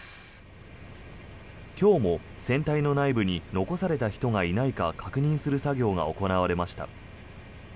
今日も船体の内部に残された人がいないか確認する作業が行われました。